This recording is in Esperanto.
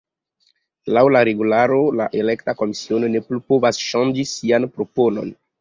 Laŭ la regularo, la elekta komisiono ne plu povas ŝanĝi sian proponon.